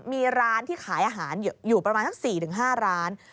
มีร้านที่ขายอาหารอยู่ประมาณสัก๔๕ร้าน